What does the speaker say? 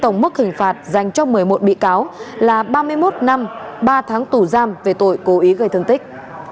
tổng mức hình phạt dành cho một mươi một bị cáo là ba mươi một năm ba tháng tù giam về tội cố ý gây thương tích